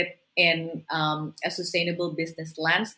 lantai perusahaan yang berkelanjutan